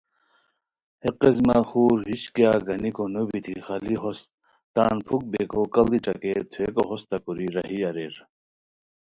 ہے قسمہ خور ہِش کیاغ گنیکونوبیتی خالی ہوست تان پُھک بیکھو کاڑی ݯاکئے تھوویکو ہوستہ کوری راہی اریر